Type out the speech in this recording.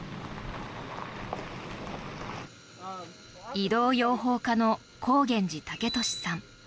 移動養蜂家の光源寺毅寿さん。